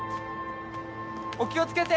お気を付けて！